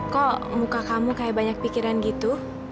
kok muka kamu kayak banyak pikiran gitu